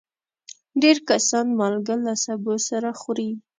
ډېر کسان مالګه له سبو سره خوري.